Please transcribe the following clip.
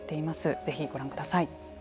ぜひご覧ください。